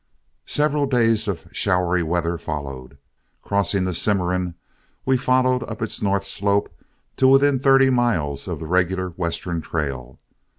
Several days of showery weather followed. Crossing the Cimarron, we followed up its north slope to within thirty miles of the regular western trail.